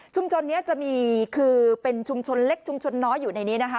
ชมชนเนี่ยจะมีคือเป็นชมชนเล็กชมชนน้อยอยู่ในนี่นะฮะ